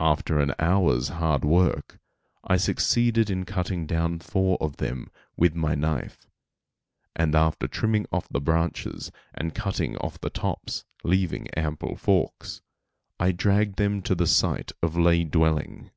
After an hour's hard work, I succeeded in cutting down four of them with my knife; and after trimming off the branches and cutting off the tops, leaving ample forks, I dragged them to the site of lay dwelling.